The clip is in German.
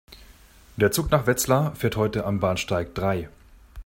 Der Zug nach Wetzlar fährt heute am Bahnsteig drei